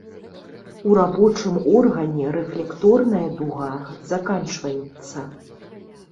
У рабочым органе рэфлекторная дуга заканчваецца.